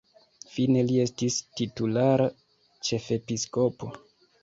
Fine li estis titulara ĉefepiskopo.